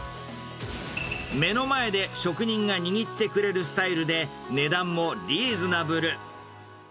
目の前で職人が握ってくれるスタイルで、値段もリーズナブル。